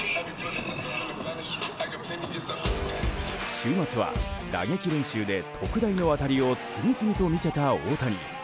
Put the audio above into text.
週末は打撃練習で特大の当たりを次々と見せた大谷。